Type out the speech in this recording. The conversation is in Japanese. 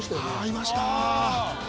いました！